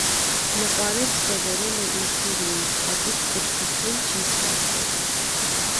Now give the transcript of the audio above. Նկարել սովորել է ինքնուրույն, հատուկ կրթություն չի ստացել։